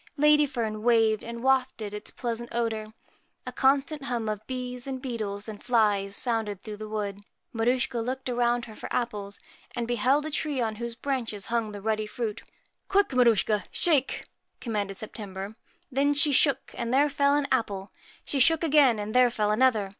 Ladyfern waved and wafted its pleasant 75 PRETTY odour. A constant hum of bees and beetles and flies MAR sounded through the wood. Maruschka looked USCHKA a bout her for apples, and beheld a tree on whose branches hung the ruddy fruit. ' Quick, Maruschka, shake !' commanded Sep tember. Then she shook, and there fell an apple ; she shook again, and there fell another.